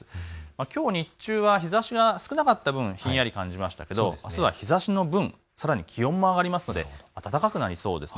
きょう日中は日ざしが少なかった分ひんやり感じましたがあすは日ざしの分、気温も上がりますので暖かくなりそうです。